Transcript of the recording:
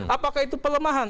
apakah itu pelemahan